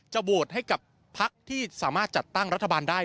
โหวตให้กับพักที่สามารถจัดตั้งรัฐบาลได้